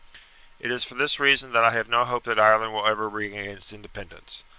"It is for this reason that I have no hope that Ireland will ever regain its independence.